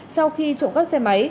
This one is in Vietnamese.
sau khi trộm các xe máy